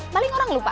balik orang lho pak